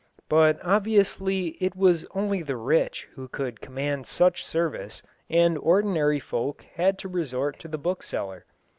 But obviously it was only the rich who could command such service, and ordinary folk had to resort to the bookseller.